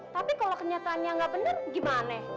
tapi kalau kenyataannya gak bener gimana